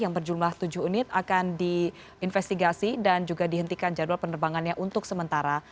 yang berjumlah tujuh unit akan diinvestigasi dan juga dihentikan jadwal penerbangannya untuk sementara